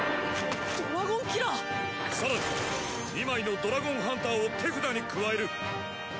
更に２枚のドラゴンハンターを手札に加える。